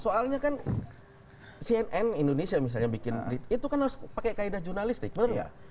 karena kan cnn indonesia misalnya bikin itu kan harus pakai kaedah jurnalistik betul nggak